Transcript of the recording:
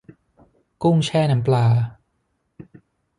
กุ้งแช่น้ำปลา